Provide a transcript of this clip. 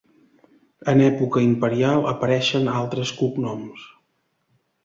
En època imperial apareixen altres cognoms.